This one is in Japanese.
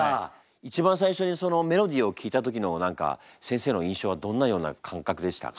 一番最初にそのメロディーを聴いた時の何か先生の印象はどんなような感覚でしたか？